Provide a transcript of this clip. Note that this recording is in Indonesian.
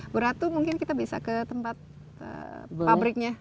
bu ratu mungkin kita bisa ke tempat pabriknya